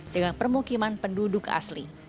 dengan permukiman penduduk asli